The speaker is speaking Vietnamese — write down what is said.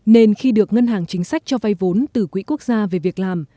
nên khi được ngân hàng chính sách cho vay vốn từ quỹ quốc gia về việc làm